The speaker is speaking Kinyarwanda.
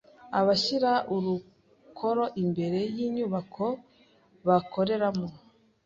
abashyira arukoro imbere y’inyubako bakoreramo